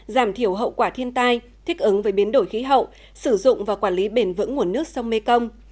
giảm thiểu hậu quả thiên tai thích ứng với biến đổi khí hậu sử dụng và quản lý bền vững nguồn nước sông mekong